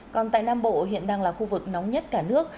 còn tại nam bộ hiện đang là khu vực nóng nhất cả nước